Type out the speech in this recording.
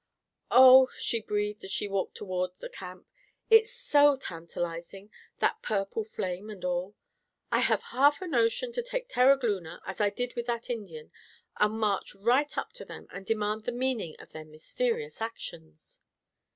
"Oh," she breathed as she walked toward camp, "it's so tantalizing, that purple flame and all! I have half a notion to take Terogloona, as I did with that Indian, and march right up to them and demand the meaning of their mysterious actions!"